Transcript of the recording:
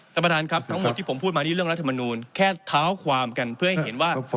ท่านประธานครับทั้งหมดที่ผมพูดมานี่เรื่องรัฐมนูลแค่เท้าความกันเพื่อให้เห็นว่า